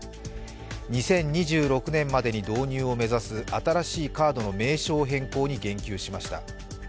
２０２６年までに導入を目指す新しいカードの名称変更に言及しました。